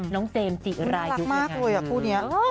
น้องเจมส์จีเอิ้นรายรักมากเลยอ่ะคู่เนี้ย